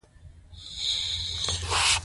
چې بر کڅ سکول ته راورسېدۀ ـ